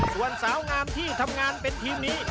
ส่วนสาวงามที่ทำงานเป็นทีมนี้